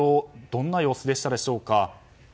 どんな様子でしたでしょうか。